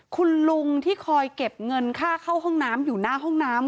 คุณลุงที่คอยเก็บเงินค่าเข้าห้องน้ำอยู่หน้าห้องน้ำ